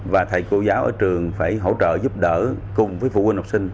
và thầy cô giáo ở trường phải hỗ trợ giúp đỡ cùng với phụ huynh học sinh